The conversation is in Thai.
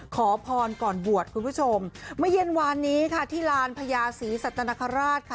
ขอพรก่อนบวชคุณผู้ชมเมื่อเย็นวานนี้ค่ะที่ลานพญาศรีสัตนคราชค่ะ